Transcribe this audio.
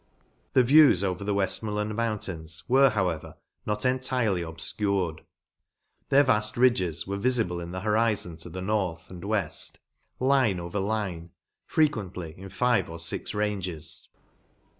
The views over the Weft moreland mountains were, however, not entirely obfcured ; their vaft ridges were vifible in the horizon to the north and / weft, line over line, frequently in five or fix ranges.